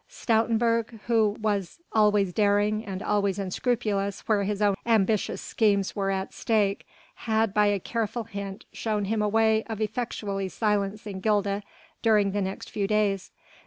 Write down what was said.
Stoutenburg who was always daring and always unscrupulous where his own ambitious schemes were at stake had by a careful hint shown him a way of effectually silencing Gilda during the next few days.